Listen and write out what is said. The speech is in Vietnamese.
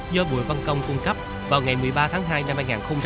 do bùi văn công cung cấp vào ngày một mươi ba tháng hai năm hai nghìn một mươi chín